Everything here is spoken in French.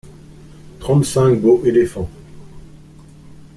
Trente-cinq beaux éléphants.